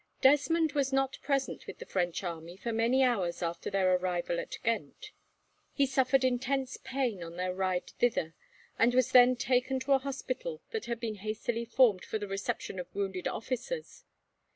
Desmond was not present with the French army, for many hours after their arrival at Ghent. He suffered intense pain on the ride thither, and was then taken to a hospital that had been hastily formed for the reception of wounded officers.